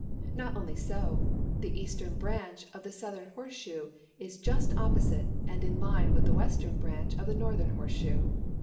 Not only so ; the eastern branch of the south ern horseshoe is just opposite and in line with the western branch of the northern horseshoe.